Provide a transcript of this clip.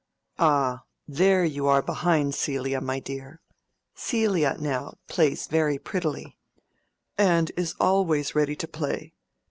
"Ah, there you are behind Celia, my dear. Celia, now, plays very prettily, and is always ready to play.